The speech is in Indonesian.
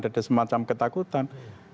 ada semacam ketakutan